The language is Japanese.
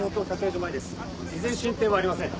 依然進展はありません。